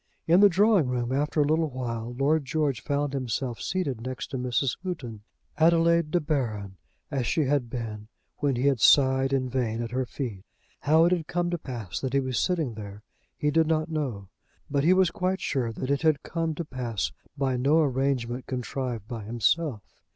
In the drawing room, after a little while, Lord George found himself seated next to Mrs. Houghton Adelaide De Baron, as she had been when he had sighed in vain at her feet. How it had come to pass that he was sitting there he did not know, but he was quite sure that it had come to pass by no arrangement contrived by himself.